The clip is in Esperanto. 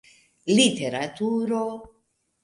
literaturo